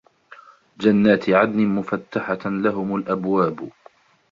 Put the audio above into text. جَنّاتِ عَدنٍ مُفَتَّحَةً لَهُمُ الأَبوابُ